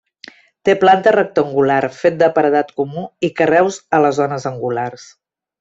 Té planta rectangular, fet de paredat comú i carreus a les zones angulars.